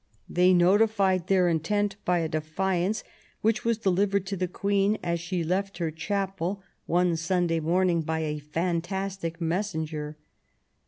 They notified their intent by a defiance, which was delivered to the Queen as she left her chapel, one Sunday morning, by a fantastic messenger.